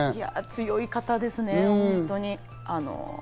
強い方ですね、ホントに。